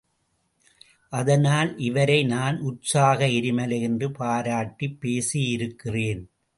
அதனால் இவரை நான் உற்சாக எரிமலை என்று பாராட்டிப் பேசியிருக்கிறேன்.